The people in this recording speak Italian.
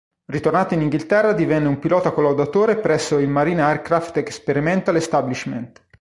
Ritornato in Inghilterra divenne un pilota collaudatore presso il Marine Aircraft Experimental Establishment.